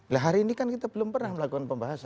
lah hari ini kan kita belum pernah melakukan pembahasan